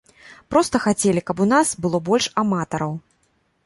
Проста хацелі, каб у нас было больш аматараў.